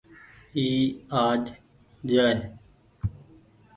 اي آج جآئي۔